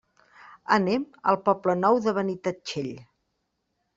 Anem al Poble Nou de Benitatxell.